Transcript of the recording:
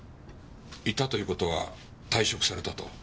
いたという事は退職されたと？